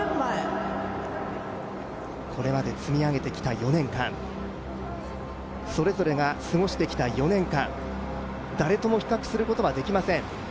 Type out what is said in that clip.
これまで積み上げてきた４年間それぞれが過ごしてきた４年間、誰とも比較することはできません。